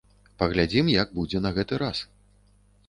Паглядзім як будзе на гэты раз.